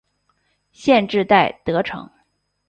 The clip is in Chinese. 县治戴德城。